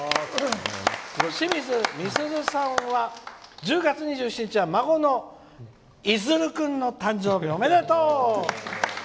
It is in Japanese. しみずみすずさんは「１０月２７日は孫のいずる君の誕生日」おめでとう！